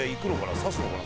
刺すのかな？